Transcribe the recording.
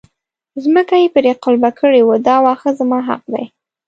ځمکه یې پرې قلبه کړې وه دا واښه زما حق دی.